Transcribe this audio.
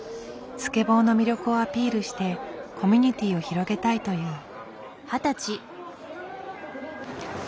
スケボーの魅力をアピールしてコミュニティーを広げたいという。